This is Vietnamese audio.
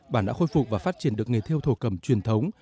bản đã khôi phục và phát triển được nghề theo thổ cầm truyền thống